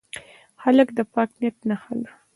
هلک د پاک نیت نښه ده.